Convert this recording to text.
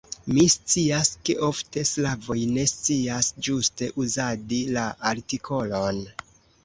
Mi scias, ke ofte slavoj ne scias ĝuste uzadi la artikolon.